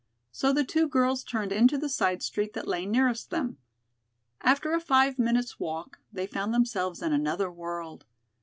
So the two girls turned into the side street that lay nearest them. After a five minutes walk they found themselves in another world.